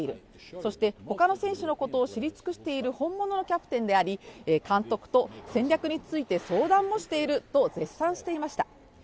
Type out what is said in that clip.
そして他の選手のことを知り尽くしている本物のキャプテンであり、監督と戦略について相談もしていると絶賛していました。